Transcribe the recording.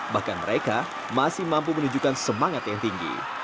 bahkan mereka masih mampu menunjukkan semangat yang tinggi